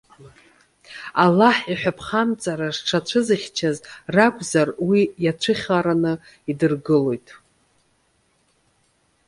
Аллаҳ иҳәатәхамҵара зҽацәызыхьчаз ракәзар, уи иацәыхараны идыргылоит.